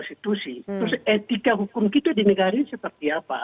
terus etika hukum kita di negara ini seperti apa